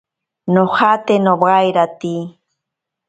Nojate nowairate.